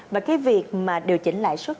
và cái việc mà điều chỉnh lại suất